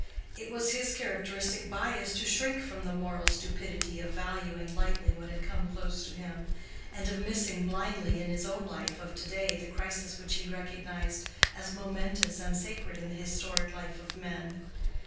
It was his characteristic bias to shrink from the moral stupidity of valuing lightly what had come close to him, and of missing blindly in his own life of to day the crisis which he recognized as momentous and sacred in the historic life of men.